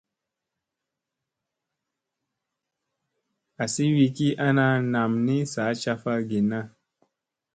Azi wi ki ana nam ni sa caffa ginna.